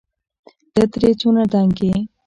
ته ترې څونه دنګ يې